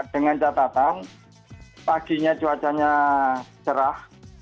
dengan catatan paginya cuacanya cerah